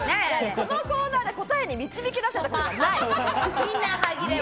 このコーナーで答えが導き出せたことがない。